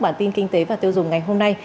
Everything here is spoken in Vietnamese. bản tin kinh tế và tiêu dùng ngày hôm nay